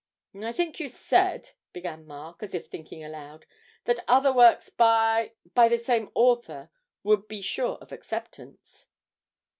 'I think you said,' began Mark, as if thinking aloud, 'that other works by by the same author would be sure of acceptance?'